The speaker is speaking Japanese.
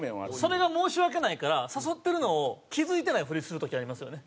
それが申し訳ないから誘ってるのを気付いてないふりする時ありますよね。